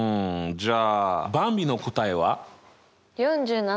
じゃあばんびの答えは？